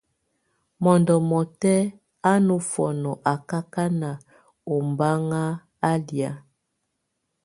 Mondo ɔmɔtɛ́ a ofɔnɔ akakán ombáŋ a lia.